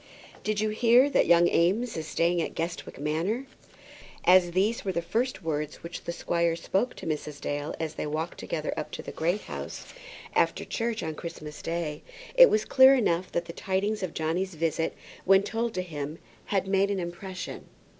"Did you hear that young Eames is staying at Guestwick Manor?" As these were the first words which the squire spoke to Mrs. Dale as they walked together up to the Great House, after church, on Christmas Day, it was clear enough that the tidings of Johnny's visit, when told to him, had made some impression.